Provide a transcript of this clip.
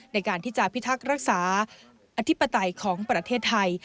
ในการที่จะพิทักษ์รักษาอธิปไตยของประเทศไทย